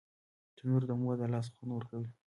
تنور د مور د لاس خوند ورکوي